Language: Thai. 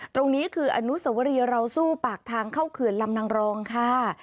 ตรงนี้คืออนุสวรีเราสู้ปากทางเข้าเขื่อนลำนางรองค่ะ